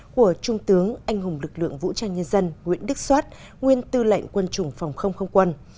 của trung tướng anh hùng lực lượng vũ trang nhân dân nguyễn đức soát nguyên tư lệnh quân chủng phòng không không quân